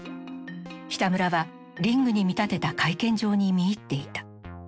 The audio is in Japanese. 北村はリングに見立てた会見場に見入っていた。